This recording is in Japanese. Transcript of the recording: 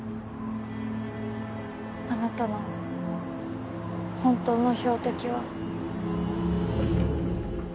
あなたの本当の標的は。